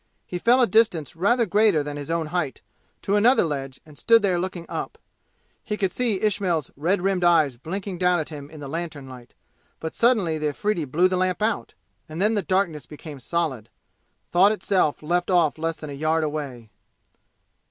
He fell a distance rather greater than his own height, to another ledge and stood there looking up. He could see Ismail's red rimmed eyes blinking down at him in the lantern light, but suddenly the Afridi blew the lamp out, and then the darkness became solid. Thought itself left off less than a yard away.